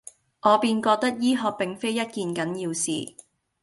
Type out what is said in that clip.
我便覺得醫學並非一件緊要事，